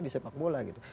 di sepak bola gitu